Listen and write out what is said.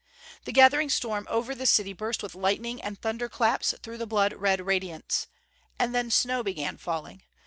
The gathering storm over the city burst with lightning and thunder claps through the blood red radiance. And then snow began falling.